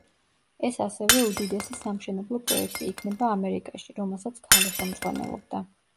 ეს ასევე უდიდესი სამშენებლო პროექტი იქნება ამერიკაში, რომელსაც ქალი ხელმძღვანელობდა.